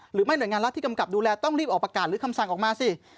หน่วยงานรัฐที่กำกับดูแลต้องรีบออกประกาศหรือคำสั่งออกมาสิ